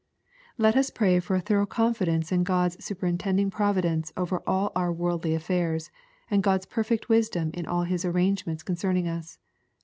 Let us pray for a thorough confidence in God's superintending providence over all our worldly affairs, and God's perfect wisdom in all His arrangements concerning us.